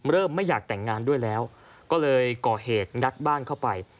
ไม่อยากแต่งงานด้วยแล้วก็เลยก่อเหตุงัดบ้านเข้าไป